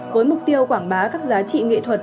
với mục tiêu quảng bá các giá trị nghệ thuật